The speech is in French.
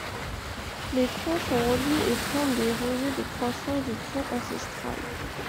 Les troncs sont reliés et forment des rejets de croissance du tronc ancestral.